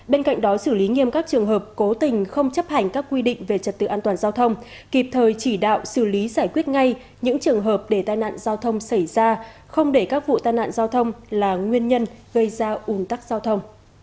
bên cạnh đó xử lý nghiêm các trường hợp cố tình không chấp hành các quy định về trật tự an toàn giao thông kịp thời chỉ đạo xử lý giải quyết ngay những trường hợp để tai nạn giao thông xảy ra không để các vụ tai nạn giao thông là nguyên nhân gây ra ủn tắc giao thông